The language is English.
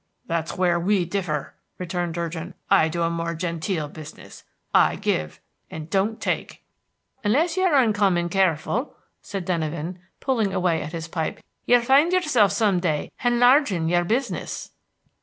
"That's where we differ," returned Durgin. "I do a more genteel business; I give, and don't take." "Unless you're uncommon careful," said Denyven, pulling away at his pipe, "you'll find yourself some day henlarging your business."